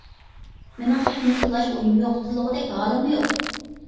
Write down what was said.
مېنىڭ خەقنى تىللاش ئويۇم يوق، تىللىغۇدەك ھالىممۇ يوق.